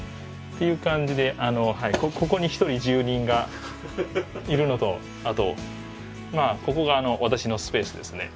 という感じであのはいここに１人住人がいるのとあとまあここが私のスペースですね。